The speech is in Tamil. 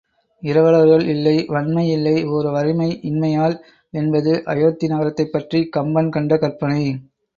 இரவலர்கள் இல்லை வண்மை இல்லை ஓர் வறுமை இன்மையால் என்பது அயோத்தி நகரத்தைப் பற்றிக் கம்பன் கண்ட கற்பனை.